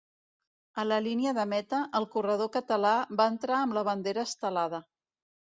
A la línia de meta, el corredor català va entrar amb la bandera estelada.